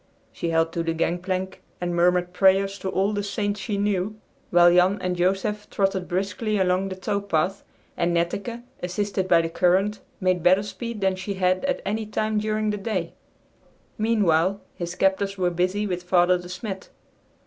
She held to the gangplank and murmured prayers to all the saints she knew, while Jan and Joseph trotted briskly along the tow path, and Netteke, assisted by the current, made better speed than she had at any time during the day. Meanwhile his captors were busy with Father De Smet.